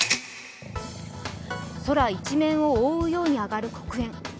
空一面を覆うように上がる黒煙。